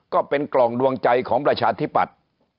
ก็เป็นกล่องดวงใจของประชาธิปัตย์